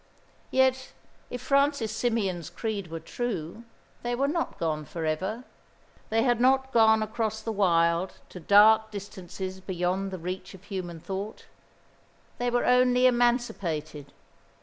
Yet, if Francis Symeon's creed were true, they were not gone for ever. They had not gone across the wild to dark distances beyond the reach of human thought. They were only emancipated.